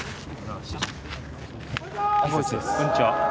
こんにちは。